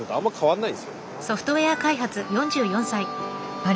あれ？